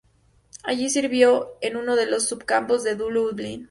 Allí sirvió en uno de los subcampos de Lublin.